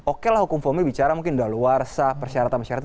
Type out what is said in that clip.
oke lah hukum formil bicara mungkin daluarsa persyaratan persyaratan